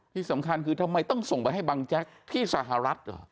ที่สำคัญคือทำไมต้องส่งไปให้บังแจ๊กที่สหรัฐเหรอ